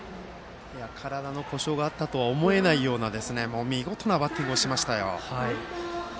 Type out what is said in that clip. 体の故障があったとは思えないような見事なバッティングをしましたよ。